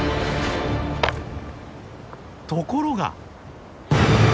ところが！